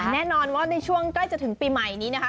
แน่นอนว่าในช่วงใกล้จะถึงปีใหม่นี้นะคะ